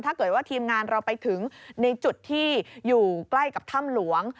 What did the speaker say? ถ้าเกิดว่าทีมงานเราไปถึงในจุดที่อยู่ใกล้กับถ้ำหลวง